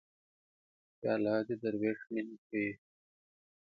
پیاله د دروېش مینه ښيي.